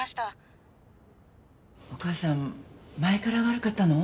お母さん前から悪かったの？